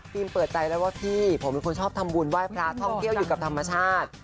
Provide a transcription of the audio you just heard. เปิดใจแล้วว่าพี่ผมเป็นคนชอบทำบุญไหว้พระท่องเที่ยวอยู่กับธรรมชาติ